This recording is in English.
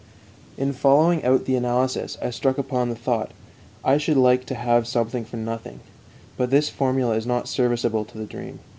In following out the analysis I struck upon the thought: I should like to have something for nothing. But this formula is not serviceable to the dream.